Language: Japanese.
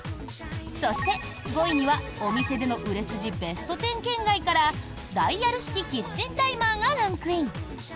そして、５位にはお店での売れ筋ベスト１０圏外からダイヤル式キッチンタイマーがランクイン。